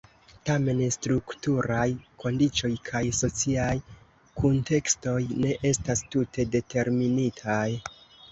Tamen, strukturaj kondiĉoj kaj sociaj kuntekstoj ne estas tute determinitaj.